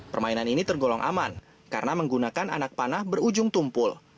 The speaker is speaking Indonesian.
permainan ini tergolong aman karena menggunakan anak panah berujung tumpul